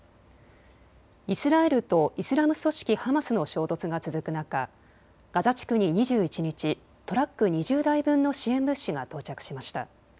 イスラエルとイスラム組織ハマスの衝突が続く中、ガザ地区に２１日、トラック２０台分の支援物資が到着しました。